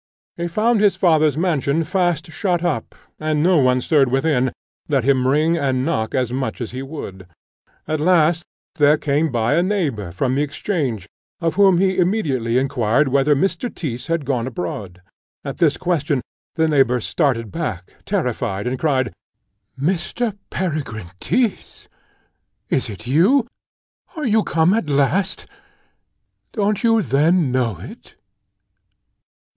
He found his father's mansion fast shut up and no one stirred within, let him ring and knock as much as he would. At last there came by a neighbour from 'Change, of whom he immediately inquired whether Mr. Tyss had gone abroad? At this question the neighbour started back, terrified, and cried, "Mr. Peregrine Tyss! Is it you? Are you come at last? Don't you then know it?"